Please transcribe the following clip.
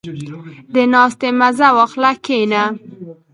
• د ناستې مزه واخله، کښېنه.